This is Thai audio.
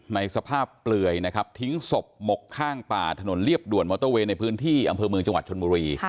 ในสภาพเปลือยนะครับทิ้งศพหมกข้างป่าถนนเรียบด่วนมอเตอร์เวย์ในพื้นที่อำเภอเมืองจังหวัดชนบุรี